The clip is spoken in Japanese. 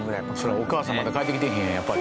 お母さんまだ帰ってきてへんやんやっぱり。